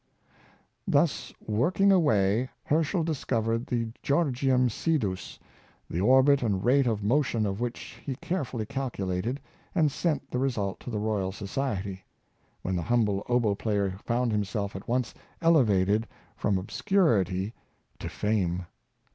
Thus working away Her schel discovered the Georgium Sidus, the orbit and rate of motion of which he carefully calculated, and sent the result to the Royal Society; when the humble oboe player found himself at once elevated from obscurity to fame.